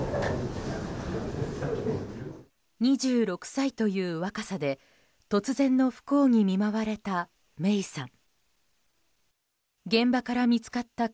２６歳という若さで突然の不幸に見舞われた芽生さん。